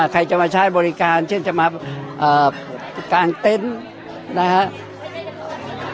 ใครจะมาใช้บริการเช่นจะมากางเต็นต์นะครับ